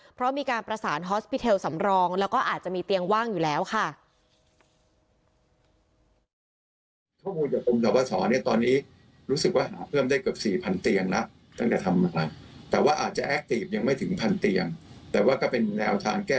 เพราะมีการประสานฮอสปิเทลสำรองแล้วก็อาจจะมีเตียงว่างอยู่แล้วค่ะ